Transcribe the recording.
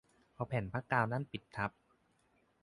เอาแผ่นผ้ากาวนั่นปิดทับ